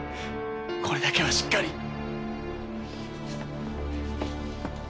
これだけはしっかり！